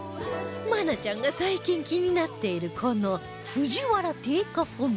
愛菜ちゃんが最近気になっているこの藤原定家フォント